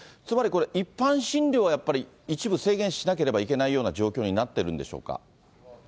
つまりこれ、一般診療はやっぱり、一部制限しなければいけないような状況になってるんでしょうか。